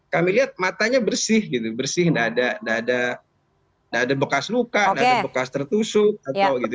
kami lihat matanya bersih gitu bersih dada dada dada bekas luka oke bekas tertusuk atau gitu